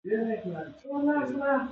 د فساد پر وړاندې مبارزه فرض ده.